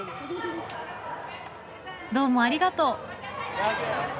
どうもありがとう。